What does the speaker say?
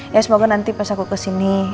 ya semoga nanti pas aku kesini